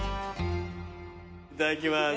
いただきます。